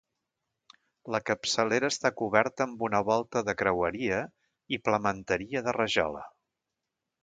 La capçalera està coberta amb una volta de creueria i plementeria de rajola.